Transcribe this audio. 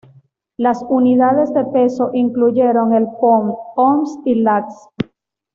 Las unidades de peso incluyeron el "pond", ons y "last".